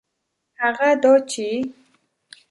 هغه دا چي